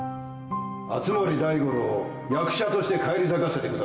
熱護大五郎を役者として返り咲かせてください